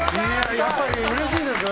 やっぱり、うれしいですね。